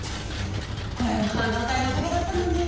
これも半導体のおかげだったのね。